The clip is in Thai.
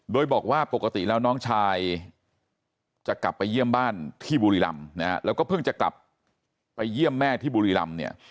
โดยบอกว่าปกติแล้วน้องชายจะกลับไปเยี่ยมบ้านที่บุรีรำนะฮะแล้วก็เพิ่งจะกลับไปเยี่ยมแม่ที่บุรีรำเนี่ย